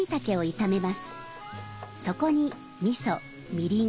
そこにみそみりん